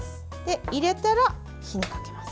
入れたら、火をかけます。